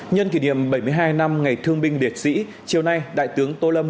nhân kỷ niệm bảy mươi hai năm ngày thương binh liệt sĩ chiều nay đại tướng tô lâm